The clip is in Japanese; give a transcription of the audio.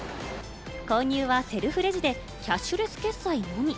購入はセルフレジでキャッシュレス決済のみ。